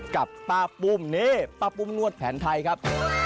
กับป้าปุ้มนี่ป้าปุ้มนวดแผนไทยครับ